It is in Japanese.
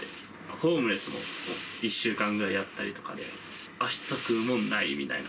ホームレスも１週間ぐらいやったりとかで、あした食うもんないみたいな。